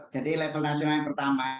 jadi level nasional yang pertama